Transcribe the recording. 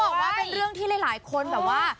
บอกว่าเป็นเรื่องที่หลายคนแบบว่า